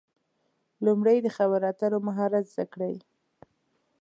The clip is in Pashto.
لومړی د خبرو اترو مهارت زده کړئ.